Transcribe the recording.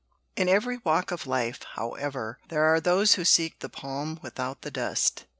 IV In every walk of life, however, there are those who seek the palm without the dust.